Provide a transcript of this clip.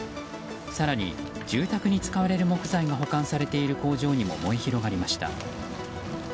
更に住宅に使われる木材が保管されている工場にも燃え広がりました。